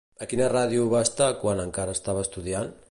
A quina ràdio va estar quan encara estava estudiant?